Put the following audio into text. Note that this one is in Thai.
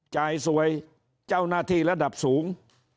สวยเจ้าหน้าที่ระดับสูง